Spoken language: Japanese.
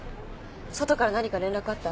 外から何か連絡あった？